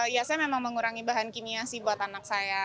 ya saya memang mengurangi bahan kimia sih buat anak saya